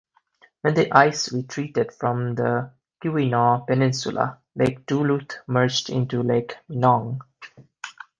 When the ice retreated from the Keweenaw Peninsula, Lake Duluth merged into Lake Minong.